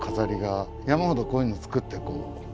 山ほどこういうのを作ってこう。